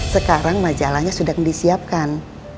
sekarang majalahnya sudah disiapkan